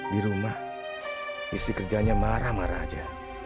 di rumah istri kerjanya marah marah aja